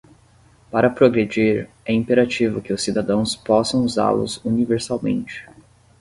Para progredir, é imperativo que os cidadãos possam usá-los universalmente.